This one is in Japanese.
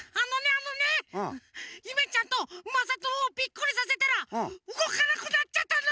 あのねゆめちゃんとまさともをビックリさせたらうごかなくなっちゃったの！